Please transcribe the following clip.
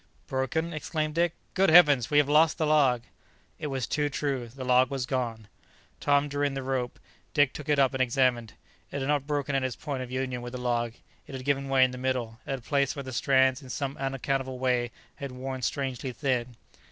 "Broken?" exclaimed Dick: "good heavens! we have lost the log!" It was too true. The log was gone. Tom drew in the rope. Dick took it up and examined it. It had not broken at its point of union with the log; it had given way in the middle, at a place where the strands in some unaccountable way had worn strangely thin.